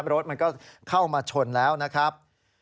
รถมันก็เข้ามาชนแล้วนะครับ